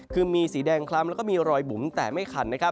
คือมีสีแดงคล้ำแล้วก็มีรอยบุ๋มแต่ไม่ขันนะครับ